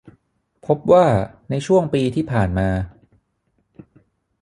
พบว่าในช่วงปีที่ผ่านมา